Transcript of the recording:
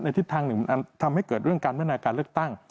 ทิศทางหนึ่งอันทำให้เกิดเรื่องการพัฒนาการเลือกตั้ง